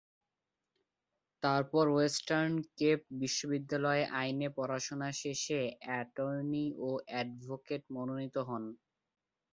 তারপর western cape বিশ্ববিদ্যালয়ে আইনে পড়াশোনা শেষে অ্যাটর্নি ও অ্যাডভোকেট মনোনীত হন।